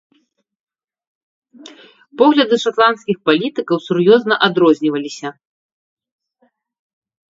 Погляды шатландскіх палітыкаў сур'ёзна адрозніваліся.